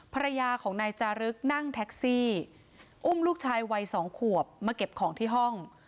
ภรรยาของนายจารึกนั่งแท็กซี่อุ้มลูกชายวัย๒ขวบมาเก็บของที่ห้อง